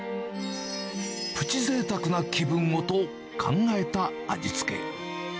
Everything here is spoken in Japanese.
プチぜいたくな気分をと、考えた味付け。